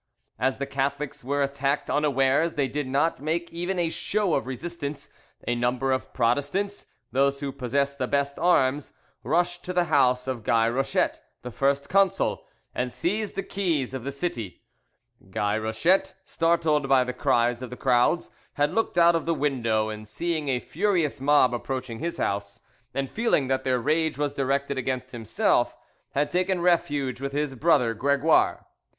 As the Catholics were attacked unawares, they did not make even a show of resistance: a number of Protestants—those who possessed the best arms—rushed to the house of Guy Rochette, the first consul, and seized the keys of the city. Guy Rochette, startled by the cries of the crowds, had looked out of the window, and seeing a furious mob approaching his house, and feeling that their rage was directed against himself, had taken refuge with his brother Gregoire.